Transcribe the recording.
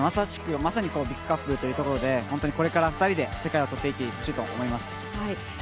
まさにビッグカップルというところで本当にこれから２人で世界をとっていってほしいと思います。